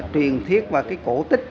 truyền thiết và cái cổ tích